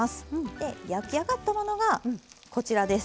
で焼き上がったものがこちらです。